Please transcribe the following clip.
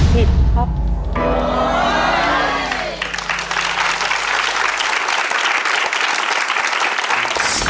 โฆโฆโฆโฆ